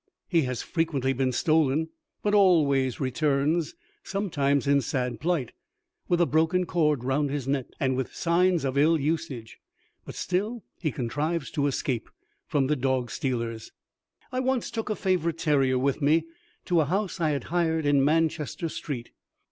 He has frequently been stolen, but always returns, sometimes in sad plight, with a broken cord round his neck, and with signs of ill usage; but still he contrives to escape from the dog stealers." I once took a favourite terrier with me to a house I had hired in Manchester Street.